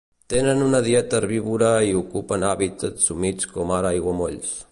Tenen una dieta herbívora i ocupen hàbitats humits com ara aiguamolls.